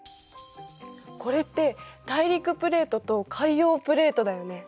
これって大陸プレートと海洋プレートだよね。